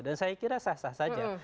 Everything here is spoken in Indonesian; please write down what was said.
dan saya kira sah sah saja